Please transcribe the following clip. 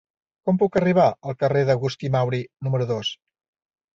Com puc arribar al carrer d'Agustí Mauri número dos?